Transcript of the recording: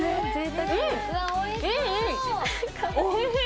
おいしい。